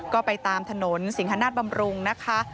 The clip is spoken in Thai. ก็ไปตามถนนสิงฮนาศบำรุงนะคะ